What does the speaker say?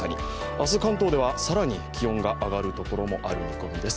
明日、関東では更に気温が上がるところもある見込みです。